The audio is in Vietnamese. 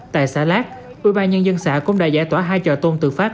tại xã lát ủy ban nhân dân xã cũng đã giải tỏa hai trò tôn tự phát